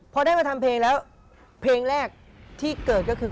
พอได้มาทำเพลงแล้วเพลงแรกที่เกิดก็คือ